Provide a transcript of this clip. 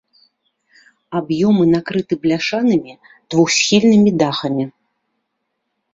Аб'ёмы накрыты бляшанымі двухсхільнымі дахамі.